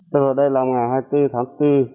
tôi vào đây là ngày hai mươi bốn tháng bốn